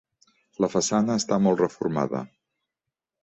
La façana està molt reformada.